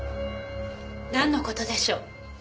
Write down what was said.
なんの事でしょう？